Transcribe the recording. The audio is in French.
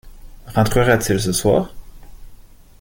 Rentrera-t-il ce soir?